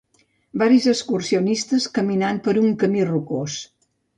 Varis excursionistes caminant per un camí rocós.